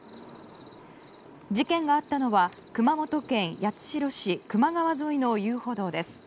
事件があったのは熊本県八代市球磨川沿いの遊歩道です。